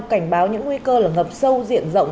cảnh báo những nguy cơ là ngập sâu diện rộng